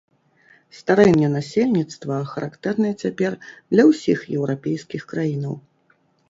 Старэнне насельніцтва характэрнае цяпер для ўсіх еўрапейскіх краінаў.